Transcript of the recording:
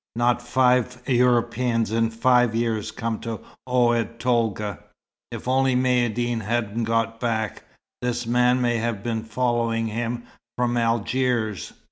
Not five Europeans in five years come to Oued Tolga. If only Maïeddine hadn't got back! This man may have been following him, from Algiers.